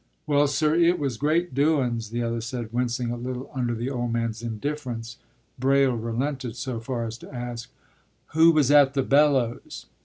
“Well, sir, it was great doun's,” the other said, wincing a little under the old man's indifference. Braile relented so far as to ask, “Who was at the bellows?